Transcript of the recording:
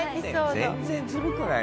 全然ずるくない。